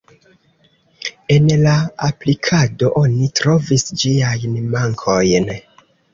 En la aplikado oni trovis ĝiajn mankojn.